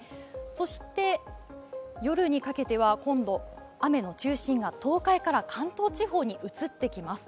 そして夜にかけては今度、雨の中心が東海から関東地方に移ってきます。